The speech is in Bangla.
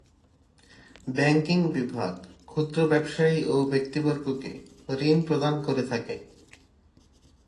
ব্যাংকিং বিভাগ ক্ষুদ্র ব্যবসায়ী ও ব্যক্তিবর্গকে ঋণ প্রদান করে থাকে।